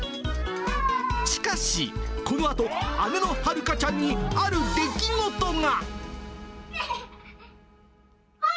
しかし、このあと、姉のはるかちゃんにある出来事が。